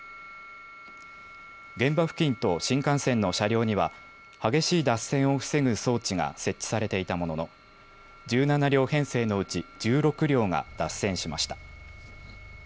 現場付近と新幹線の車両には激しい脱線を防ぐ装置が設置されていたものの１７両編成のうち１６両が脱線しました。